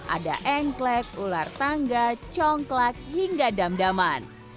ada engklek ular tangga congklak hingga damdaman